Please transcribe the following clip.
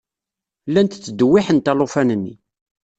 Llant ttdewwiḥent alufan-nni.